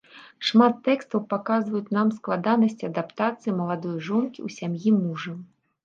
Шмат тэкстаў паказваюць нам складанасці адаптацыі маладой жонкі ў сям'і мужа.